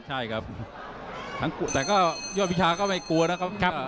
ใช่ครับแต่ก็ยอดวิชาก็ไม่กลัวนะครับ